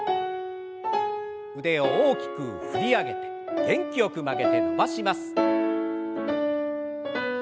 腕を大きく振り上げて元気よく曲げて伸ばします。